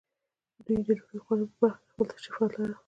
دوی د ډوډۍ خوړلو په برخه کې خپل تشریفات لرل.